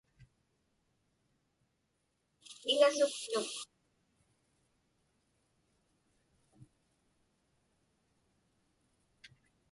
Igasuktuk.